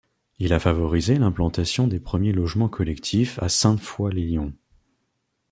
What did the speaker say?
Il a favorisé l'implantation des premiers logements collectifs à Sainte-Foy-lès-Lyon.